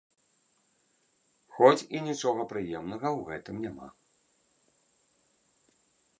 Хоць і нічога прыемнага ў гэтым няма.